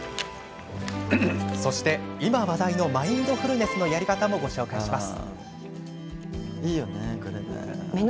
そして今、話題のマインドフルネスのやり方もご紹介します。